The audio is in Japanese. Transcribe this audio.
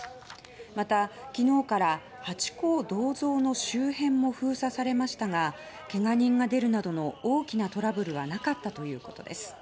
また昨日からハチ公銅像の周辺も封鎖されましたがけが人が出るなどの大きなトラブルはなかったということです。